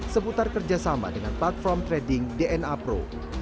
seputar kerjasama dengan platform trading dna pro